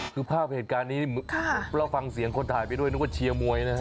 คือภาพเหตุการณ์นี้เราฟังเสียงคนถ่ายไปด้วยนึกว่าเชียร์มวยนะฮะ